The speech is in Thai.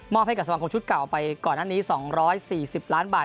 ให้กับสมาคมชุดเก่าไปก่อนหน้านี้๒๔๐ล้านบาท